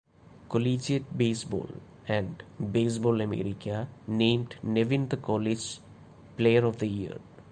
"Collegiate Baseball" and "Baseball America" named Nevin the College Player of the Year.